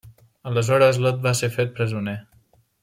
Aleshores, Lot va ser fet presoner.